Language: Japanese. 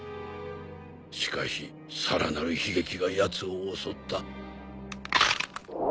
しかしさらなる悲劇がやつを襲った。